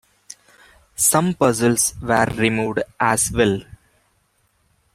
Some puzzles were removed as well.